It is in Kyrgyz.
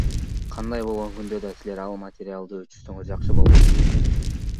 Кандай болгон күндө да силер ал материалды өчүрсөңөр жакшы болмок.